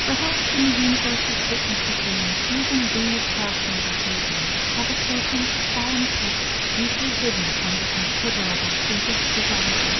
Perhaps, in the universal fitness of things, even these fashionable evenings have a certain solemn purpose, deeply hidden under considerable surface frivolity.